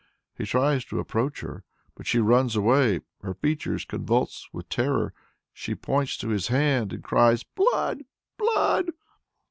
He tries to approach her, but she runs away, her features convulsed with terror. She points to his hands and cries, "Blood! Blood!"